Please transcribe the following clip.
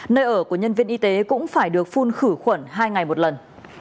nơi ở của nhân viên y tế cũng phải được phun khử khuẩn hai ngày một lần